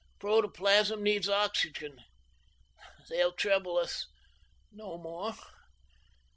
Protoplasm needs oxygen. They'll trouble us no more.